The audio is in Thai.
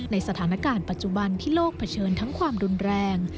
ในสถานการณ์ปัจจุบันที่โลกเผชิญทั้งความรุนแรง